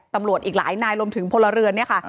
ตำรวจอีกหลายนายรวมถึงพลเรือนเนี่ยค่ะ